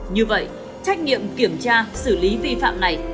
như vậy trách nhiệm kiểm tra xử lý vi phạm này